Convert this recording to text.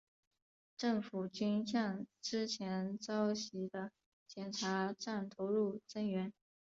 政府军向之前遭袭的检查站投入增援。